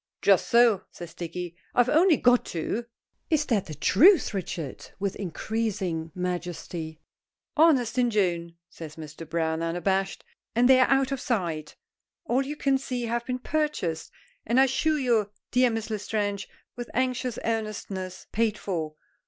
'" "Just so," says Dicky. "I've only got two." "Is that the truth, Richard?" with increasing majesty. "Honest Injun," says Mr. Browne, unabashed. "And they are out of sight. All you can see have been purchased, and I assure you, dear Miss L'Estrange," with anxious earnestness, "paid for.